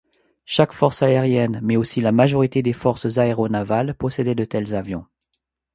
Chaque force aérienne mais aussi la majorité des forces aéronavales possédaient de tels avions.